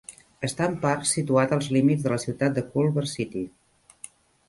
Està en part situat als límits de la ciutat de Culver City.